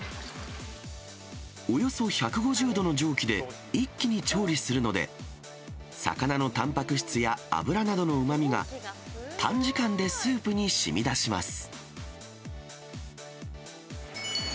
およそ１５０度の蒸気で一気に調理するので、魚のたんぱく質や脂などのうまみが短時間でスープにしみ出します。